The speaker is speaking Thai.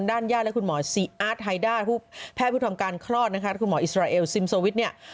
ญาติและคุณหมอซีอาร์ตไฮด้าผู้แพทย์ผู้ทำการคลอดนะคะคุณหมออิสราเอลซิมสวิตช์เนี่ย